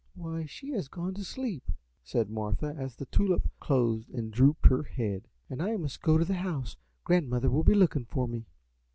"Why, she has gone to sleep," said Martha as the Tulip closed and drooped her head, "and I must go in the house. Grandmother will be looking for me."